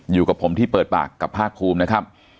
อยู่กับผมที่เปิดปากกับภาคภูมินะครับ